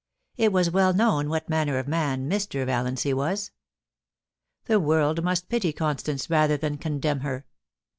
It was well known what manner of man Mr. Valiancy was. The world must pity Constance rather than condemn her.